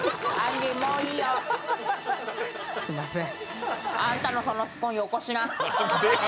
すいません。